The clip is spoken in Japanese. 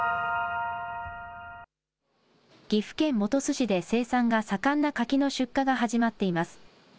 岐阜県本巣市で生産が盛んな柿の出荷が始まっています。